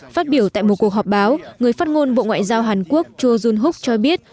phát biểu tại một cuộc họp báo người phát ngôn bộ ngoại giao hàn quốc cho jun hook cho biết